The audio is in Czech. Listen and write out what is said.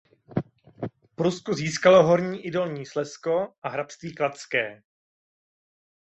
Prusko získalo Horní i Dolní Slezsko a hrabství kladské.